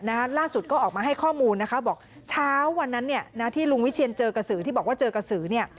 ล่าสุดก็ออกมาให้ข้อมูลนะคะบอกเช้าวันนั้นเนี่ยนะที่ลุงวิเชียนเจอกระสือที่บอกว่าเจอกระสือเนี่ย